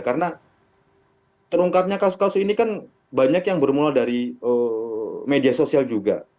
karena terungkapnya kasus kasus ini kan banyak yang bermula dari media sosial juga